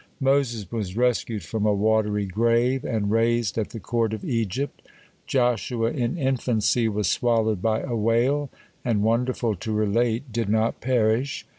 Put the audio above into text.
Moses was rescued from a watery grave, and raised at the court of Egypt. Joshua, in infancy, was swallowed by a whale, and , wonderful to relate, did not perish.